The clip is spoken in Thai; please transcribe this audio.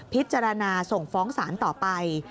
พิจารณาส่งฟ้องศาลต่อไป